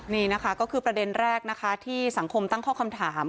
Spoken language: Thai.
นี่นะคะก็คือประเด็นแรกนะคะที่สังคมตั้งข้อคำถาม